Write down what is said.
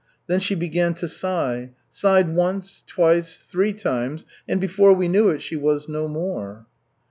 Then she began to sigh. Sighed once, twice, three times, and before we knew it, she was no more."